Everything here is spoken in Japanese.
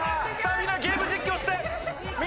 みんなゲーム実況して！